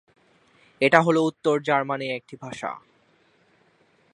এটা হল উত্তর জার্মানীর একটি ভাষা।